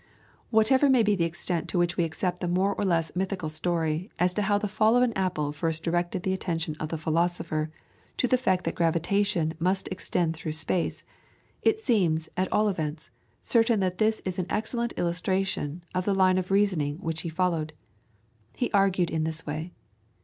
Whatever may be the extent to which we accept the more or less mythical story as to how the fall of an apple first directed the attention of the philosopher to the fact that gravitation must extend through space, it seems, at all events, certain that this is an excellent illustration of the line of reasoning which he followed. He argued in this way.